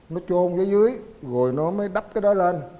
nó trồn dưới rồi nó mới đắp cái đó lên